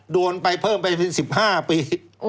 โดนไปเพิ่มไปถึง๑๕ปี